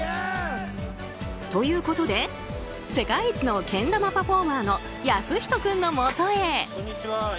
ということで世界一のけん玉パフォーマーの靖仁君のもとへ。